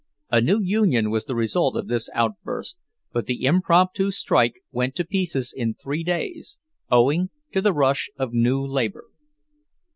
A new union was the result of this outburst, but the impromptu strike went to pieces in three days, owing to the rush of new labor.